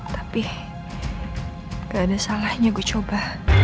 tapi gak ada salahnya gue coba